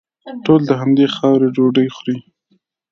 ټول د همدې خاورې ډوډۍ خوري.